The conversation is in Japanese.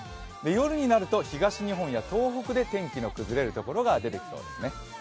夜になると東日本や東北で天気の崩れるところが出てきそうですね。